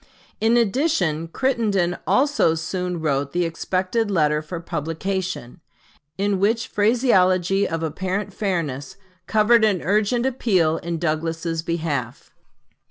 In addition Crittenden also soon wrote the expected letter for publication, in which phraseology of apparent fairness covered an urgent appeal in Douglas's behalf.